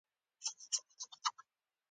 تاسو کله خپل ځانونه واکسين کړي دي؟